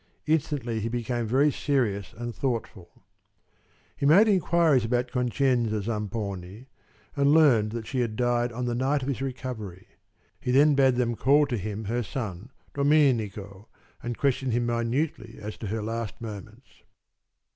Instantly he became very serious and thoughtful. He made inquiries about Concenza Zamponi and learned that she had died on the night of his recovery. He then bade them call to him her son, Dominico, and questioned him minutely as to her last moments.